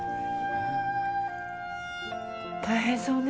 大変そうね。